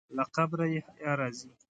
له قبره یې حیا راځي.